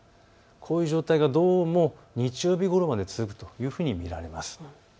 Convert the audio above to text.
こういう状態がどうも日曜日ごろまで続くと見られます。